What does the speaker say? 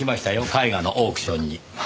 絵画のオークションに。